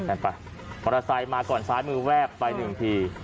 กันไปมอเตอร์ไซค์มาก่อนซ้ายมือแวบไปหนึ่งที